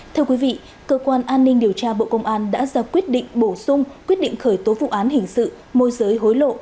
thưa quý vị cơ quan an ninh điều tra bộ công an đã ra quyết định bổ sung quyết định khởi tố vụ án hình sự môi giới hối lộ